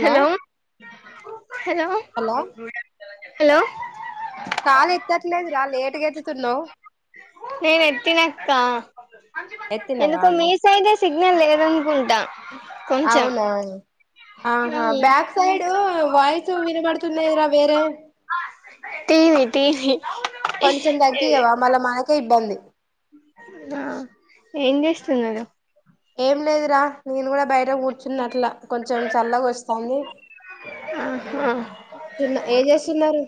Hello hello hello స్తున్నావ్ నేను ఎత్తినక్క ఎత్తినవా ఎందుకో మీ సైడె సిగ్నల్ లేదనుకుంటా కొంచెం అవునా ఆహా బ్యాక్ సై డ్ వాయిస్ వినబడుతున్నాయిరా వేరే తేని తిజి కొంచం తగ్గియవా మళ్ మనకే ఇబ్బంది ఆ ఏం చేస్తున్నారు ఏం లేదురా నేను కూడా బయట కూర్చున్న అట్లా కొంచెం చల్లగా వస్తుందిన్న ఆహా ఏం చేస్తున్నారు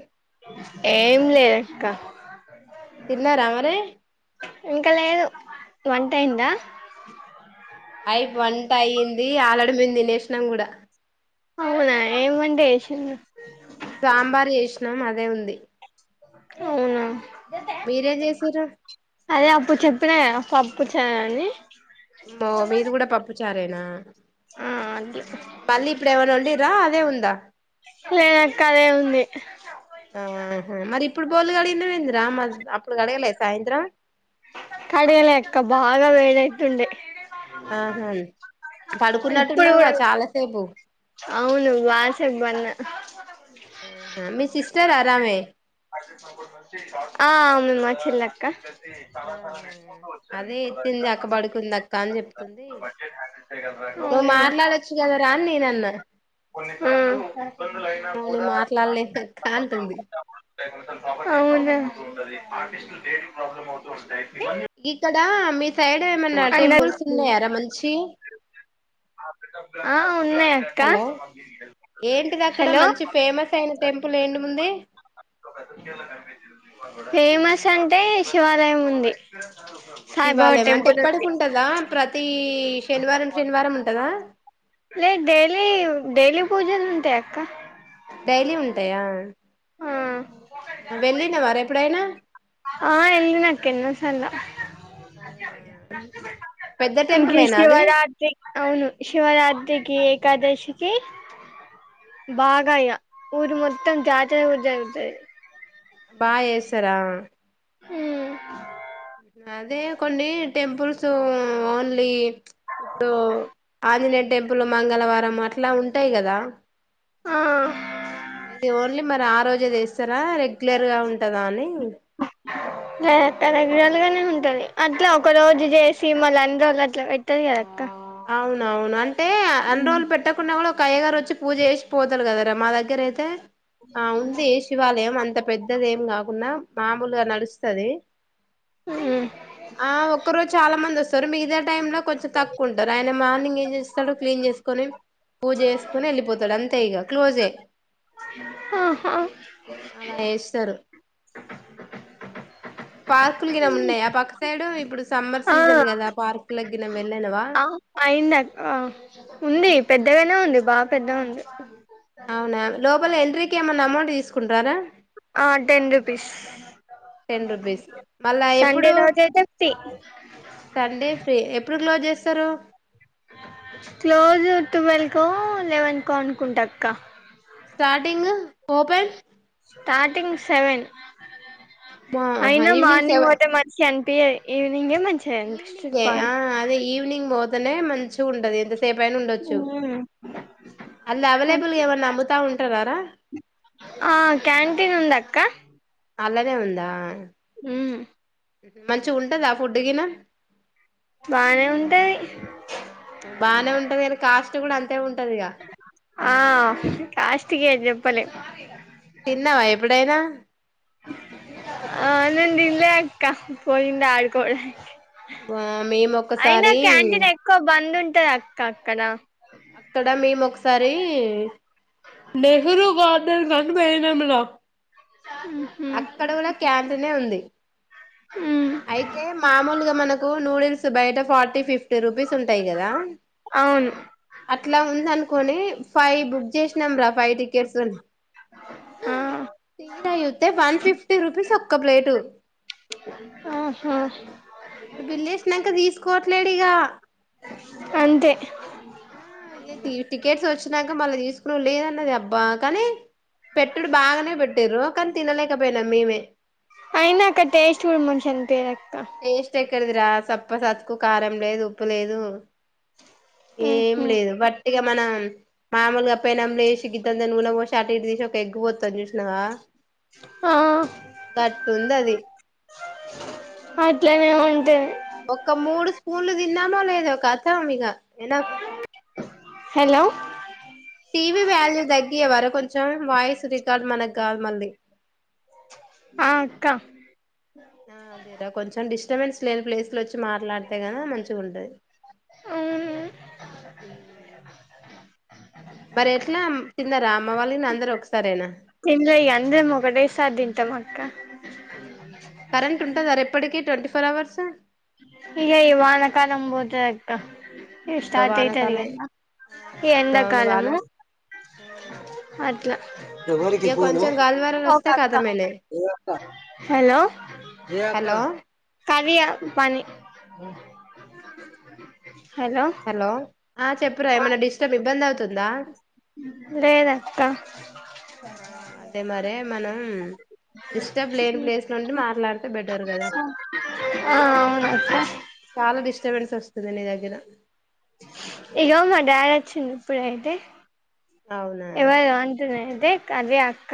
ఏం లేదక్క తిన్నారా మరే వన్ టైందా అయి వంట అయి్యింది ఆలడమంది నేసనం కూడా అవునా ఏమంటేష సాంబార్ చేసినాం అదే ఉంది అవునా మీరేం చేసిర్రు అదే అప్పుడు చెప్పినా కదా కుచారడి ో మీది కూడా పప్పు చారేడి నా ఆ అట్లా మళ్ళీ ఇప్పుడు ఏమైనా ఉండి ా అదే ఉందా లేనక్క అదే ఉంది ఆహా మరి ఇప్పుడు బోలు కడిగినవింది రామ్ అప్పుడు గడగలే సాయంత్రం కడల ఎక్క బాగా వేడైతుండే ఆహా ఇప్పుడు పడుకున్నట్టున్నావుద కూడా చాలా సేపు పో అవును బాషక్ బన్న ఆా మీ సిస్టర్ ఆరామే ఆ మేమ్మా చిల్లక్క ఆహా అదే ఎత్తింది అక్క పడుకుందిక్క అని చెప్తుంది నువ్వు మాట్లాడొచ్చు కదా రాని నేనన్నో నీ మాట్లాడలేని అక్క అంటుంది అవును మ వస్తాయి ఇ క దా అమి అ ఉన్నాయ అక్క హలో ఏంటిది అక్కడ హాలో మంచి ఫేమస్ అయిన టెంపుల్ ఏంటిదుంది ఫై మస్ స్ అంటే శివాలయం ఉంది సాయిబాబా శివాలయ అంటే టెంపుల్ ఉంది ఎప్పడుకింటందా ప్రతిీ శనివారం శనివారం ఉంటందా లే డైలీ డైలీ పూజలు ఉంటాయి అక్క డైలీ ఉంటాయా ఆ వెళ్ళినావ ర ఎప్పుడైనా ఆ ఎలినా అక్క ఎన్నో సార్లు అవునా పెద్ద ఇంక టెంపులేనా అది శివరాత్రి అవును శివరాత్రికి ఏకాదశికి బాగాయ్య ఊరు మొత్తం జాతర జరుగుతుంది బాగా చేస్తారా హ అదే కొన్ని టెంపుల్స్ ఓన్లీ ఇప్పుడు ఆంజనే టెంపుల్ మంగళవారం అట్లా ఉంటాయి కదా ఆ ఇది ఓన్లీ మరి ఆ రోజు పూజ చేస్తారా రెగ్యులర్ గా ఉంటుందా అని లేస్తాడు అండి రెగ్యులర్ గానే ఉంటుంది అట్లా ఒక రోజు చేసి మళని అట్లా పెట్టనీయరు అక్క అవునవును అంత అంటే ఎంన్రోల్ పెట్టకుండా కూడా కయ్యగారు వచ్చి పూజ చేసి పోతారు కదరాా మా దగ్గర అయితే ఆ ఉంది శివాలయం అంత పెద్దదే కాకుండా మామూలుగా నడుస్తుది ఆ ఒక్కరోజు చాలా మంది వస్తు తొరు మీ ఇదర్ టైంలో కొంచెం తక్ ఉంటారు ఆయన మార్నింగ్ ఏం చేస్తాడు క్లీన్ చేసుకని పూజ చేసుకని వెళ్ళిపోతారు అంత ఇ క్లోజే ఆహా అలా చేస్తారు పార్కులుకి ఏమున్నాయా పాక్ సడం ఇప్పుడు సమ్మర్ సీజన్ కదా పార్క్ లగ్గినం ఆ అయిందా ఆ ఉంది పెద్దగానే ఉంది బాగా పెద్దగుంది అవునా లోపల ఎంట్రీకి ఏమన్నా అమౌంట్ తీసుకుంటారా ఆ టెన్ రూపీస్ టెన్ రూపీస్ మళ్ళా సండే ఎప్పుడు రాజతే ఫ్రీ ఎట్లా చేస్తారు క్లోజ్ ట్వెల్వ్కో లెవెన్ కో అనుకుంటాక్క స్టార్టింగ్ ఓపెన్ స్టార్టింగ్ సెవెన్ అయినా మార్నింగ్ పోతే మనిషి ఎంత పిఐ ఈ ఈవెనింగ్యే ఆ అదే ఈవ్ నింగ్ మోదనే మంచిగుంటాది రేపైనుండొచ్చు అది అవైలబుల్ గా ఏమన్నా నమ్ముతా ఉ ఆ క్యాంటీన్ ఉందక్ అలాగే ఉందా ఉమ్ మంచి గుంటదా ఫుడ్ గినా బానే ఉంటది బానే ఉంటది కానీ కాస్ట్ గుడా అంతే ఉంటది ఆ కాస్ట్ గే జెప్పలే తిన్నావా ఎప్పుడైనా ఆ నేన్ దిన్లే అక్కా పోయింది ఆడుకోడానికి ఆ మేము అయినా ఒక్కసారి క్యాంటీన్ ఎక్కువ బంద్ ఉం ఉంటది అక్క అక్కడా అక్కడ మే మొక్ సారి సారి నెహ్రూ గార్ డే సన్ పోయినప్పుడ ఊహు అంటూనే ఉంది అయితే మామూలుగా మనకు కూ నూడిల్స్ బయట ఫార్టీ ఫిఫ్టీ రూపీస్ ఉంటాయి కదా అవును అట్ల ఉందనుకొని ఫైవ్ బుక్ చేసినాం రా ఫైవ్ టికెట్స్ అని హా ఆ తీరా యుత్ వన్ ఫిఫ్టీ రూపీస్ ఒక్క ప్లేటు ఆహా అడ బిల్లేేసినాక తీసుకో మాట్లేడిగా అంతే ఇ టిట్స్ వచ్చినక మళ్ళ తీక లేదన్నది అబ్బా కానీ పెట్టటుడు బాగానే పెట్టు ప తినలేకపోయినా మ మీవే అయినా అక్కడ టేస్ట్ కూడా మనుష అనిపో స్ ఇక్కడదిరా సప్ప సత్కు కారం లేదు ఉప్పు లేదు ఏం ఉహు లేదు బట్ ఇక మనం మామూలుగా అప్పయినమ్లు వసి గద్ద దని పోషట ఇటు తీసి ఒక ఎగ్గిపోతుని చూసినావా ఆ గట్టు ఉంది అది అట్లనే ఉంటాయి ఒక మూడు పూన్లు తిన్నామో లేదో ఒక అథం ఇక ఏన్న హలో టీవ వాల్యూ దగ్గ వర కొంచెం వాయిస్ రికార్డ్ మనకు కాదు మళ్ళీ ఆ అక్క ఆ అదేరా కొంచెం డిస్టబెన్స్ లేని ప్లేస్ లో వచ్చి మాట్లాడితే కన మంచిగా ఉంటది అవును మరి ఎట్లా తిన్నారా అమ్మ వాళ్ళ అందరు ఒకసారేనా తినలే ఇగ అందరం ఒకటేసారి తింటాం అక్క కరెంట్ ఉంట సార్ ఎప్పటికిీ ట్వంటీ ఫోర్ అవర్స్ ఇక ఇవానకా నమ్బోతే అక్క ఇ అబ్బా స్టార్ట్ అయితారుగ వానకాలం ఎంద అవునవును వాన కాలము మ ఇక పోను కొంచెం గాలివానలు వస్తే కథమేనే హలో హలో కది ప ఉ హలో ఆ చెప్పరా ఏమన్నా డిస్టర్బ్ంగ్ బంద లేదత ఆ అదే మరి మనం డిస్టబ్ లేని ప్లేస్ నుండి మాట్లాడ ఆ అవును అదే దగ్గర ఇగోమా డ్యావచ్చింది ఇప్పుడు అతే అవునా ఎవ అంటనే అయింతతే కదే అక్క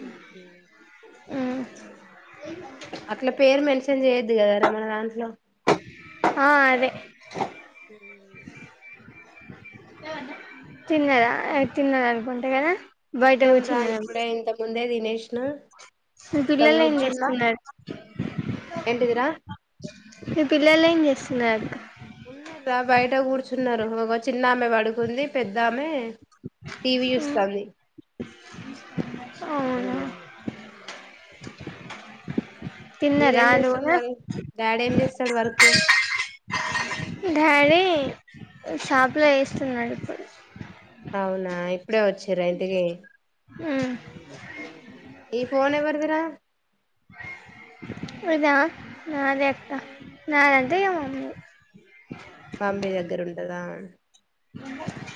హమ్ హమ్ అట్లా పేరు మెన్స్ అట్లా చేయొద్దు కదార మన దాంట్లో ఆ అదే హమ్ తిన్నారా తిన్నారనుకుంటా కదా బయట తిందం రా కూర్చున్నారు ఇప్పుడే ఇంత ముందే దినేష్ మీ పిల్లలు ఏం ఇస్తున్నారు ఏంటిదిరా మీ పిల్ల తెలజ స్నక్ ఉన్న రా బయట కూర్చున్నారు ఒక చిన్నమె పడుకుంది పెద్దామె టీవీ చూస్తాంది అవును మీరేం చేస్తున్నారు డాడీ ఏం చేస్తాడు వర్క్ డాడీ షాప్లో చేస్తున్నాడు ఇప్పుడు అవునా ఇప్పుడే వచ్చి చెర ఇంటికి హమ్ ఈ ఫోన్ ఎవరిది రా అదా నాదే అక్క నాదంటే మా మమ్మీ నీదేనా మమ్మీ దగ్గర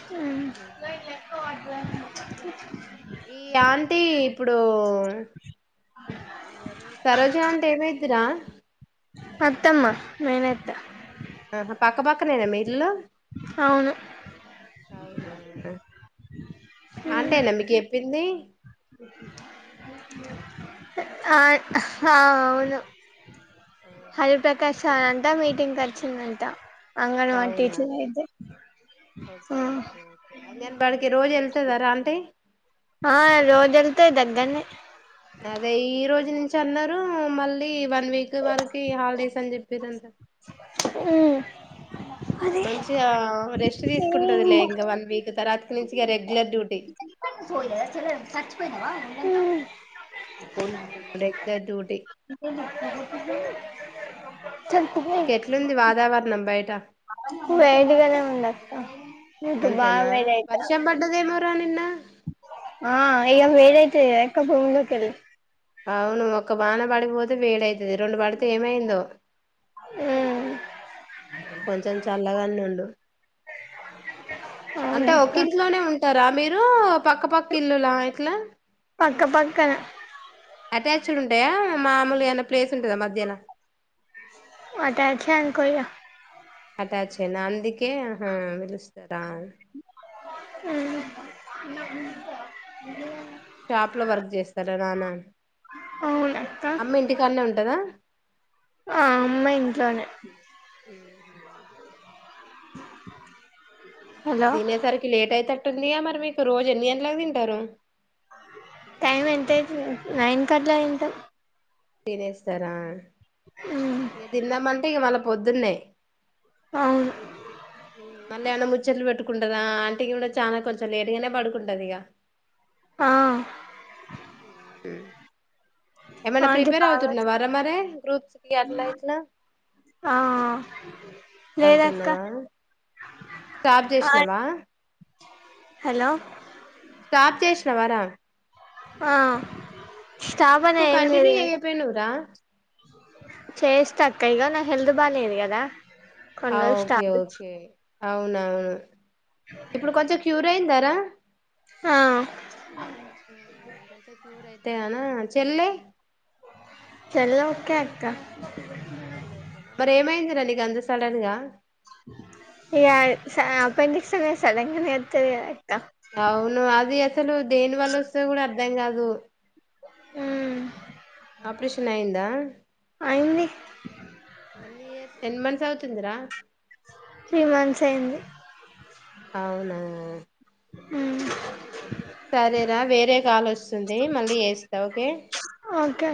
హమ్ హమ్ [unintelligible] ఆంటీ ఇప్పుడు ఎ సరోజ అంటే ఏమై రా అత్తమ్మా మేనేత్త ఆహా పక్క పక్కనేేనామీ ఇల్లు అవును అవునా అంటేనా మీకు చెప్పింది ఆ ఆ అవును హరిప్రకాశ్ సార్ అంట మీటింగ్ క వచ్చిండంట అవునా ఒకే ఒకే అంగన్వాడికి రోజు వేల్ ళ్తదారా ఆంటీ ఆ రోజు వెళ్తది దగ్గనే అదే ఈ రోజు నుంచి అన్నారు మళ్ళీ వన్ వీక్ వరకి ఇగ హాలిడేస్ అని చెప్పిర్రంట మ్మ్ మంచిగా రెస్ట్ తీసుకుంటదిలే ఇంకా వన్ వీక్ తర్వాతి నుంచి ఇగ రెగ్యులర్ డ్యూటీ మ్మ్ రెగ్యులర్ డ్యూటీ ఇంక ఎట్లుంది వాతావరణం బయట ట వేడిగానే ఉండత్త బాగా వేడి అయిత త నిన్న ఆ ఇగ వేలైతే ఎక్క భూమిలోకిళ్ళి అవును ఒ బాన పడిపోతే వేడవుతుది రెండు పడితే ఏమైందో ఆ కొంచెం చల్లగానే ఉండు అంటే అవునక్క ఒకంట్లోనే ఉంట ఇస్తారా మీరు పక్కపక్క ఇల్లులా ఇట్లా పక్క పక్క అటాచ్డ్ ఉంటాయా మామూలుగాన్న ప్లేస్ ఉంటుందా మధ్యహ్న అంటచ ఇంకో అటాచ్ అడ్ అందుకే పిలుస్తారు దాన్ ఆ అ షాప్ లో వర్క్ చేస్తారా నా నాన్న అవునక్క అమ్మ ఇంటికాన్న ఉంటదా ఆ అమ్మా ఇను మ్మ్హ్. ఇంకా హలో దినసార్కి లేట్ అవుతే ఉంటుందియా మరి మీకు రోజు ఎన్ని అంటలాగా తింటారు టైం ఎంతైతుంది నైన్ కట్లా తింటాం తినేస్తరా ఇగ దిన్నామంటే ఇగ మల్లం పొద్దున్నే అవును మ్మ్. మళ్ళీ ఎవన్న ముచ్చట్లు పెట్టుకుంటారా ఆంటీ కూడా చానా కొంచెం లేటుగానే పడుకుంటది ఇగ ఆ ఉ హుమ్ ఏమైనా ఆంటీ ప్రిపేర్ బాగా అవుతున్నావారా మరే గ్రూప్స్ కి అట్లా ఆ లేదక్క అవుతున్నావా స్టాప్ ఆ చేసినవా, హలో స్టాప్ చేసినవరా ఆ స్టాపని ఎందుకు ఏం లేదు కంటిన్యూ కానీ చేయపోయినవ్ రా చేస్తా కైగా నా హెల్త్ బాలేదు గదా ఆ ఓకే ఓకే అవును అవును ఇప్పుడు కొంచెం క్యూర్ అయిందా నా ఆ కొంచెం క్యూర్ యితే నా చెల్లే హలో ఓకే అక్క చెల్ ఓకేనా మరి ఏమైంది న నీక అంత సడన్ గా అపెడిక్స్ అ సడంగానే ఇతుంది అవును అది అసలు దేని వల్ల వస్తే కూడా అర్ధం కాదు అ ఆపరేషన్ అయిందాస్ అయింది ఎన్ మంతస్ ఉందరా త్రీ మంత్స్ అయి్యంది అవునా అ సరేరా వేరే కాలు వస్తుంది మళ్ళీ చేస్తా ఓకే ఓకే